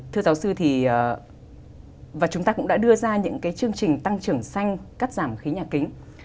thưa giáo sư thì chúng ta cũng đã đưa ra những cái chương trình tăng trưởng xanh cắt giảm khí nhà kính